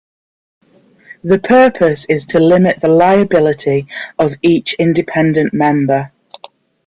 The purpose is to limit the liability of each independent member.